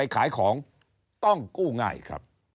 ครับครับครับครับ